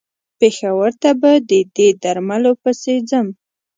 پېښور ته به د دې درملو پسې ځم.